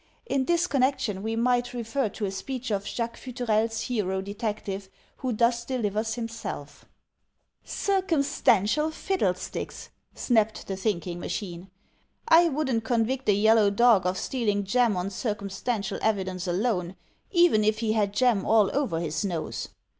In this connection we might refer to a speech of Jacques Futrelle's hero detective who thus delivers himself: "Circumstantial fiddlesticks!" snapped The Thinking Machine. "I wouldn't convict a yellow dog of stealing jam on dtcumstantial evidence alone, even if he had jam all over his nose."